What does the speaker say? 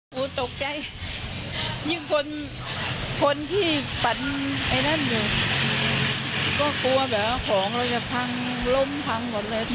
กูตกใจยิ่งคนคนที่ปั่นไอ้นั่นอยู่ก็กลัวแบบว่าของเราจะพังล้มพังหมดเลย